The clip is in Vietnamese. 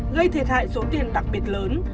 gây thiệt hại số tiền đặc biệt lớn